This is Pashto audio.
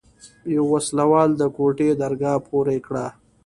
يوه وسله وال د کوټې درګاه پورې کړه.